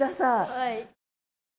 はい。